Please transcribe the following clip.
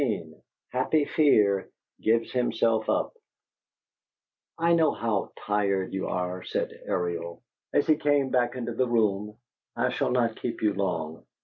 XV HAPPY FEAR GIVES HIMSELF UP "I know how tired you are," said Ariel, as he came back into the room. "I shall not keep you long."